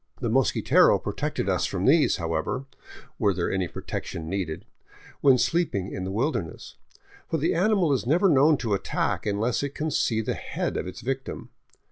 The mosquitero protected us from these, however, were any protection needed, even when sleeping in the wilderness ; for the animal is never known to attack unless it can see the head of its victim.